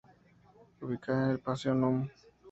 Ubicada en el Paseo num.